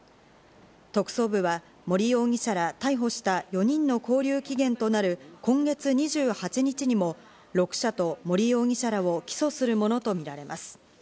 特捜部は森容疑者ら逮捕した４人の勾留期限となる今月２８日にも６社と森容疑者らを起訴するものとみられます。